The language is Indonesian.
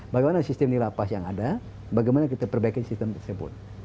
bagaimana sistem di lapas yang ada bagaimana kita perbaiki sistem tersebut